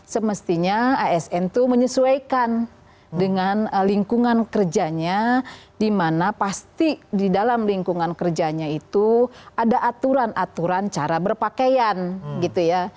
semestinya asn itu menyesuaikan dengan lingkungan kerjanya di mana pasti di dalam lingkungan kerjanya itu ada aturan aturan cara berpakaian gitu ya